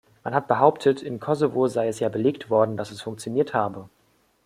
Man hat behauptet, in Kosovo sei es ja belegt worden, dass es funktioniert habe.